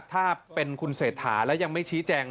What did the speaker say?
ถ้าเป็นคุณเศรษฐาแล้วยังไม่ชี้แจง